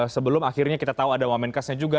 sebelum akhirnya kita tahu ada wawah menkesnya juga